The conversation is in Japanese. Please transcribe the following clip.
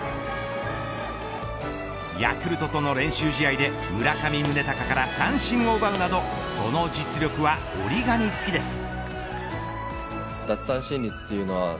ヤクルトとの練習試合で村上宗隆から三振を奪うなどその実力は折り紙つきです。